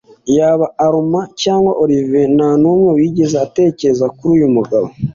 Yaba Armand cyangwa Olivier, nta n'umwe wigeze atekereza kuruyu mugabo